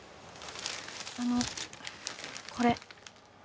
あのこれ。